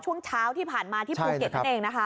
ช่วงเช้าที่ผ่านมาที่ภูเก็ตนั่นเองนะคะ